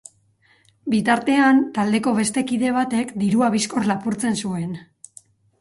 Bitartean, taldeko beste kide batek dirua bizkor lapurtzen zuen.